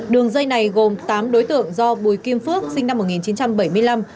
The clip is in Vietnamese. đường dây này gồm tám đối tượng do bùi kim phước sinh năm một nghìn chín trăm bảy mươi năm